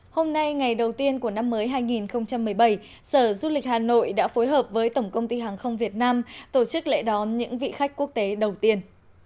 hôm nay ngày đầu tiên của năm mới hai nghìn một mươi bảy sở du lịch hà nội đã phối hợp với tổng công ty hàng không việt nam tổ chức lễ đón những vị khách quốc tế đầu tiên